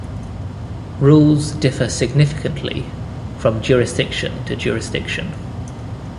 Rules differ significantly from jurisdiction to jurisdiction.